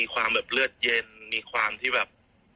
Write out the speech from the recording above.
ครับ